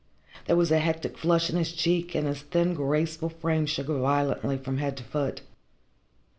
There was a hectic flush in his cheek and his thin, graceful frame shook violently from head to foot.